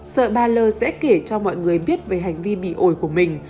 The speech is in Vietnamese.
sợ bà lơ sẽ kể cho mọi người biết về hành vi bị ổi của mình